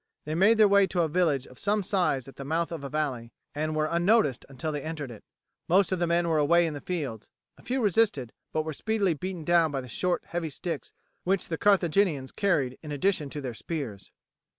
They made their way to a village of some size at the mouth of a valley, and were unnoticed until they entered it. Most of the men were away in the fields; a few resisted, but were speedily beaten down by the short heavy sticks which the Carthaginians carried in addition to their spears.